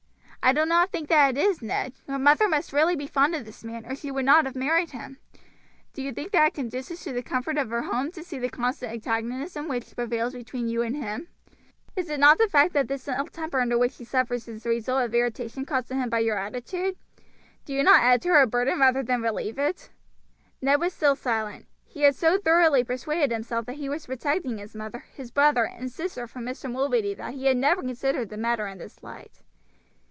"I do not think that it is, Ned. Your mother must be really fond of this man or she would not have married him. Do you think that it conduces to the comfort of her home to see the constant antagonism which prevails between you and him? Is it not the fact that this ill temper under which she suffers is the result of the irritation caused to him by your attitude? Do you not add to her burden rather than relieve it?" Ned was still silent. He had so thoroughly persuaded himself that he was protecting his mother, his brother, and sister from Mr. Mulready that he had never considered the matter in this light.